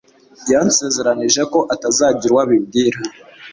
Yansezeranije ko atazagira uwo abibwira.